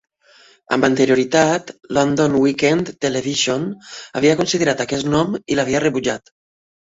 Amb anterioritat, London Weekend Television havia considerat aquest nom i l'havia rebutjat.